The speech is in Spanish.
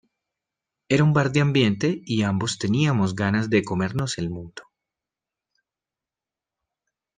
Era un bar de ambiente y ambos teníamos ganas de comernos el mundo.